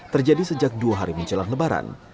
terjadi sejak dua hari menjelang lebaran